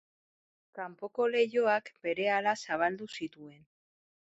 Kanpoko leihoak berehala zabaldu zituen.